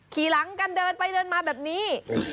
ขี่หลังกันเดินไปเดินมาแบบนี้